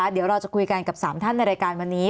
เดี๋ยวเราจะคุยกันกับ๓ท่านในรายการวันนี้